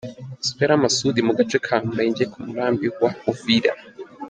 Espera Masudi mu gace ka Mulenge ku murambi wa Uvira.